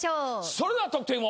それでは得点を。